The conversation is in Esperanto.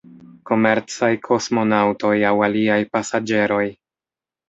Komercaj kosmonaŭtoj aŭ aliaj "pasaĝeroj".